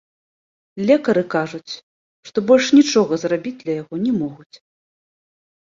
Лекары кажуць, што больш нічога зрабіць для яго не могуць.